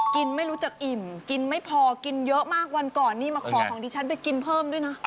ไม่รู้จักอิ่มกินไม่พอกินเยอะมากวันก่อนนี่มาขอของดิฉันไปกินเพิ่มด้วยนะ